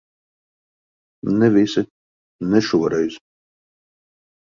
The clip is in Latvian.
Ne visi. Ne šoreiz.